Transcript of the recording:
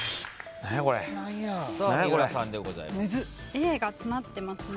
Ａが詰まってますね。